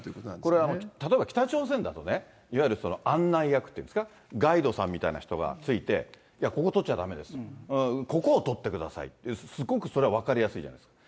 これは例えば北朝鮮だとね、いわゆる案内役っていうんですか、ガイドさんみたいな人がついて、ここ撮っちゃだめです、ここを撮ってください、すごくそれは分かりやすいじゃないですか。